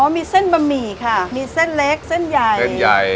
อ๋อมีเส้นปลามีค่ะมีเส้นเล็กเส้นใหญ่